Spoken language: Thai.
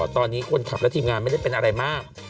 ตอนนี้คนขับและทีมงานไม่ได้เป็นอะไรมาก